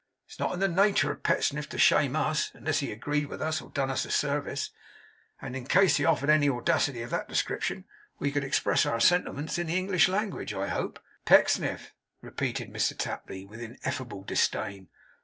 It's not in the natur of Pecksniff to shame US, unless he agreed with us, or done us a service; and, in case he offered any audacity of that description, we could express our sentiments in the English language, I hope. Pecksniff!' repeated Mr Tapley, with ineffable disdain.